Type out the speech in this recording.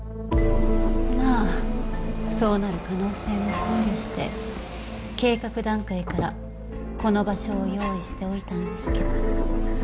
まあそうなる可能性も考慮して計画段階からこの場所を用意しておいたんですけど。